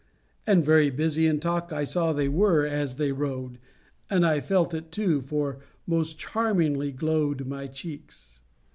And very busy in talk I saw they were, as they rode; and felt it too; for most charmingly glowed my cheeks.